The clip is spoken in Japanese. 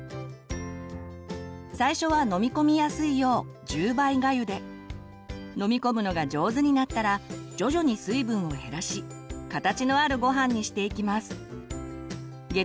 最初は飲み込みやすいよう１０倍がゆで飲み込むのが上手になったら徐々に水分を減らし形のあるごはんにしていきます。